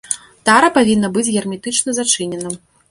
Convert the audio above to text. Тара павінна быць герметычна зачынена.